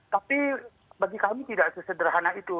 tapi bagi kami tidak sesederhana itu